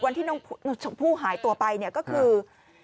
วันที่น้องชมพู่หายตัวไปเนี่ยก็คือ